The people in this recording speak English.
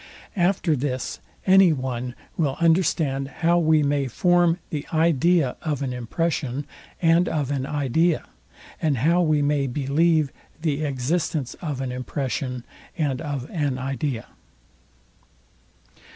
After this any one will understand how we may form the idea of an impression and of an idea, and how we way believe the existence of an impression and of an idea.